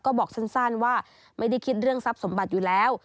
ก็บอกสั้นว่าไม่ได้คิดเรื่องทรัพย์สมบัติอยู่แล้ว